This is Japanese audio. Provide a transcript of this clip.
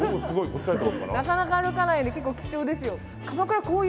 なかなか歩かないんで結構貴重ですよ。